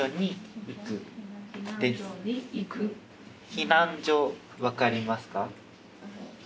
避難所分かりますか？